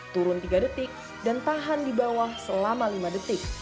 turun tiga detik dan tahan di bawah selama lima detik